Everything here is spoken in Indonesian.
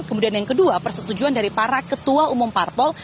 kemudian yang kedua persetujuan dari para ketua umum parpol